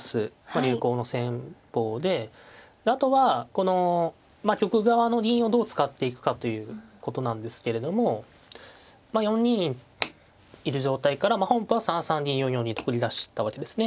流行の戦法であとはこのまあ玉側の銀をどう使っていくかということなんですけれども４二にいる状態から本譜は３三銀４四銀と繰り出したわけですね。